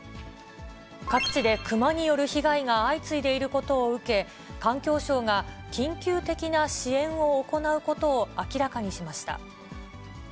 各地でクマによる被害が相次いでいることを受け、環境省が緊急的な支援を行うことを明らかにしました。